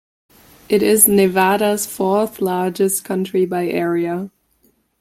It is Nevada's fourth-largest county by area.